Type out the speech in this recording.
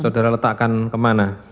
saudara letakkan kemana